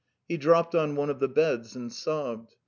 He dropped on one of the beds and sobbed.